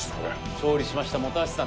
勝利しました本橋さん